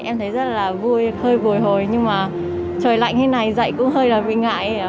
em thấy rất là vui hơi vùi hồi nhưng mà trời lạnh như thế này dạy cũng hơi là bị ngại